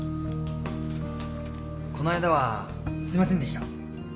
こないだはすいませんでした。